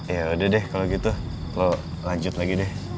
yaudah deh kalo gitu lo lanjut lagi deh